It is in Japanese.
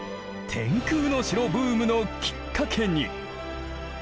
天空の城ブームのきっかけに。